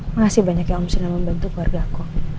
makasih banyak yang om sudah membantu keluarga aku